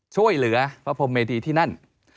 ช่วยเหลือพระพรมเมดีที่นั่น